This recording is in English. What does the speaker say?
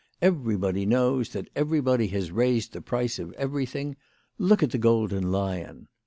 Everybody knows that everybody has raised the price of everything. Look at the Golden Lion."